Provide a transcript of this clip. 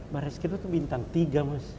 baris krim itu bintang tiga mas